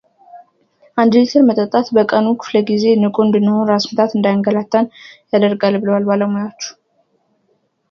አንድ ሊትር መጠጣት በቀኑ ክፍለ ጊዜ ንቁ እንድንሆን ራስ ምታት እንዳያንገላታን ያደርጋል ብለዋል ባለሙያዎቹ።